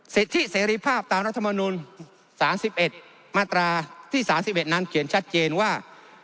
สิทธิเสรีภาพตามรัฐมนุน๓๑มาตราที่๓๑นั้นเขียนชัดเจนว่า